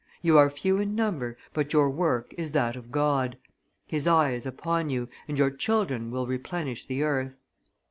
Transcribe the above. You are few in number, but your work is that of God. His eye is upon you, and your children will replenish the earth."